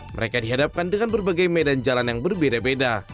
mereka dihadapkan dengan berbagai medan jalan yang berbeda beda